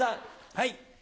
はい。